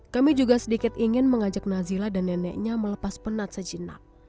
kami juga sedikit ingin mengajak nazila dan neneknya melepas penat sejenak